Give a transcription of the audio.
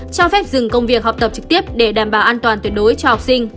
cho phép dừng công việc học tập trực tiếp để đảm bảo an toàn tuyệt đối cho học sinh